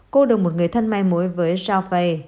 cô đồng một người thân may mối với zhao fei